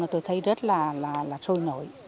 tôi thấy rất là sôi nổi